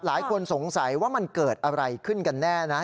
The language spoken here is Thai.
หลายคนสงสัยว่ามันเกิดอะไรขึ้นกันแน่นะ